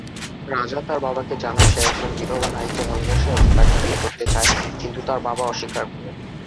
রাজা তার বাবাকে জানায় সে একজন বিধবা নারীকে ভালোবাসে এবং তাকে বিয়ে করতে চায়, কিন্তু তার বাবা অস্বীকার করে।